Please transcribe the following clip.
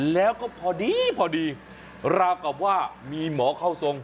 แล้วก็พอดีพอดีราวกับว่ามีหมอเข้าทรง